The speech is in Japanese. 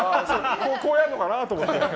こうやるのかなと思って。